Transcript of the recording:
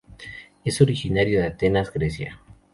Es originario de Atenas, Grecia.